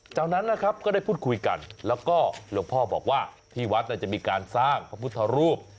จากนั้นนะครับก็ได้พูดคุยกันแล้วก็หลวงพ่อบอกว่าที่วัดจะมีการสร้างพระพุทธรูป